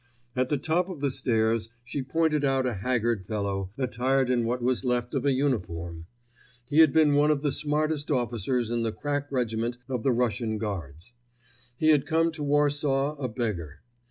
At the top of the stairs she pointed out a haggard fellow, attired in what was left of a uniform. He had been one of the smartest officers in the crack regiment of the Russian Guards. He had come to Warsaw a beggar.